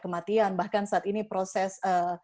kematian bahkan saat ini proses